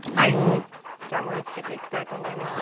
じゃあ盛りつけていきたいと思います。